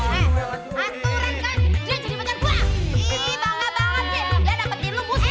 jangan jadi pacar gua